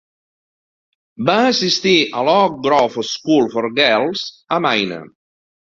Va assistir a l'Oak Grove School for Girls a Maine.